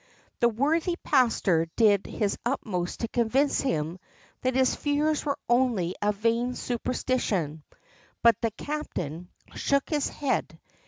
The worthy pastor did his utmost to convince him that his fears were only a vain superstition; but the captain shook his head.